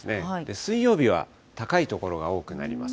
水曜日は高い所が多くなります。